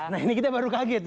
nah ini kita baru kaget